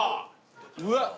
うわっ！